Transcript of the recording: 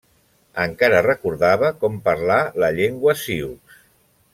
Encara recordava com parlar la llengua sioux.